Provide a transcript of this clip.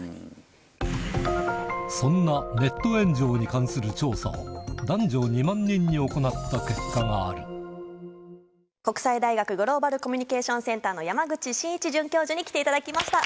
そんな「ネット炎上」に関する調査を男女２万人に行った結果がある国際大学グローバル・コミュニケーション・センターの山口真一准教授に来ていただきました。